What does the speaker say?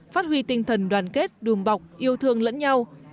phát huy tinh thần đoàn kết đùm bọc yêu thương lẫn nhau